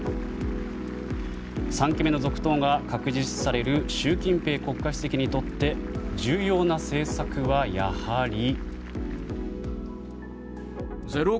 ３期目の続投が確実視される習近平国家主席にとって重要な政策は、やはり。